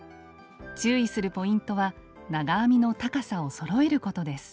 注意するポイントは長編みの高さをそろえることです。